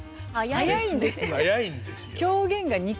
早いんですよ。